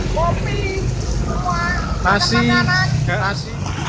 kopi buah nasi keas